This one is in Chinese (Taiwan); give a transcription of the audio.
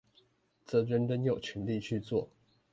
則人人有權利去做